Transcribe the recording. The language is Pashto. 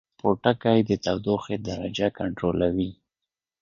پوټکی د تودوخې درجه کنټرولوي